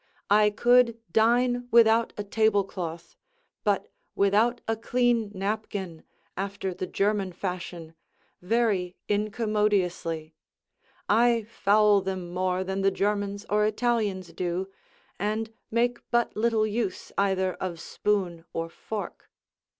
I could dine without a tablecloth, but without a clean napkin, after the German fashion, very incommodiously; I foul them more than the Germans or Italians do, and make but little use either of spoon or fork.